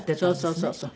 そうそうそうそう。